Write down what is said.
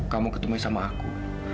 kamu ketemu sama aku